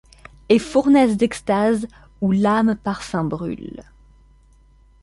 Et fournaise d’extase où l’âme parfum brûle.